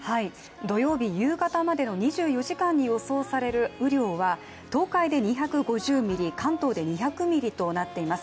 土曜日、夕方までの２４時間に予想される雨量は東海で２５０ミリ、関東で２００ミリとなっています。